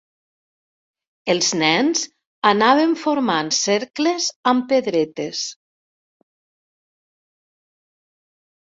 Els nens anaven formant cercles amb pedretes.